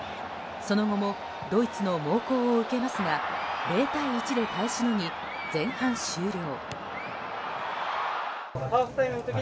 その後もドイツの猛攻を受けますが０対１で耐えしのぎ前半終了。